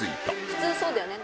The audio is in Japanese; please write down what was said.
普通そうだよね。